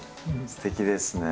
すてきですね。